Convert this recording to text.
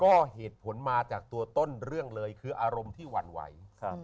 ก็เหตุผลมาจากตัวต้นเรื่องเลยคืออารมณ์ที่หวั่นไหว